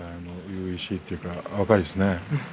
初々しいというか若いですね。